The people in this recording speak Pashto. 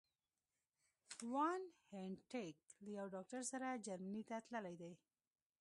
وان هینټیګ له یو ډاکټر سره جرمني ته تللي دي.